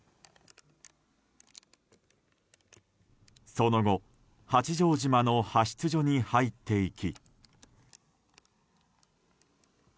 その後、八丈島の派出所に入っていき。